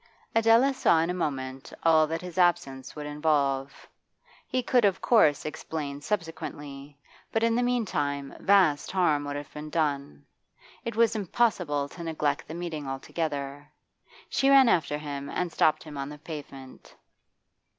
Adela saw in a moment all that his absence would involve. He could of course explain subsequently, but in the meantime vast harm would have been done. It was impossible to neglect the meeting altogether. She ran after him and stopped him on the pavement.